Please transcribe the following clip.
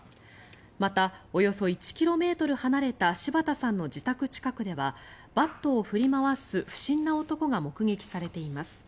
また、およそ１ｋｍ離れた柴田さんの自宅近くではバットを振り回す不審な男が目撃されています。